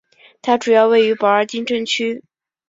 它主要位于保尔丁镇区。